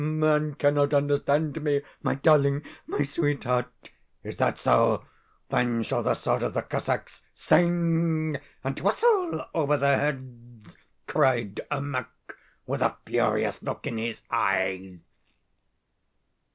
Men cannot understand me, my darling, my sweetheart.' "'Is that so? Then shall the sword of the Cossacks sing and whistle over their heads!' cried Ermak with a furious look in his eyes."